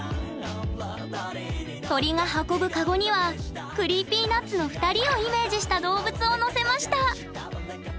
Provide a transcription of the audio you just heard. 鳥が運ぶかごにはＣｒｅｅｐｙＮｕｔｓの２人をイメージした動物を乗せました。